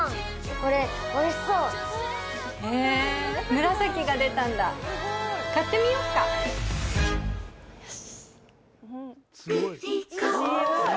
これおいしそう・へえ紫が出たんだ買ってみよっかよし・